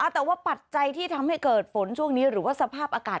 แต่ว่าปัจจัยที่ทำให้เกิดฝนช่วงนี้หรือว่าสภาพอากาศ